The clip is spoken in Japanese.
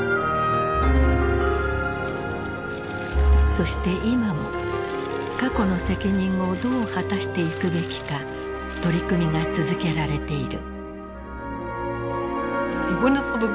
そして今も過去の責任をどう果たしていくべきか取り組みが続けられている。